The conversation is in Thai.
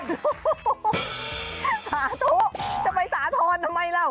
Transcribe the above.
สาธุจะไปสาธนทำไมละ